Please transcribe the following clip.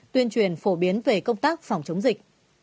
tuyên truyền phổ biến về công tác phòng chống dịch